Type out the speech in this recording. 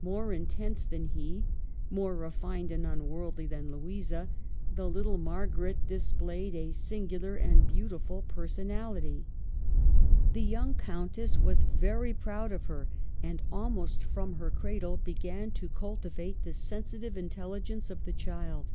More intense than he, more refined and unworldly than Louisa, the little Margaret displayed a singular and beauti ful personality. The young Countess was very proud of her and, almost from her cradle, began to cultivate the sensitive intelligence of the child.